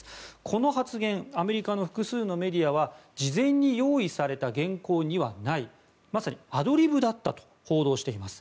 この発言アメリカの複数のメディアは事前に用意された原稿にはないまさにアドリブだったと報道しています。